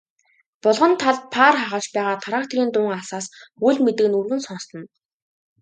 Булган талд паар хагалж байгаа тракторын дуун алсаас үл мэдэг нүргэн сонстоно.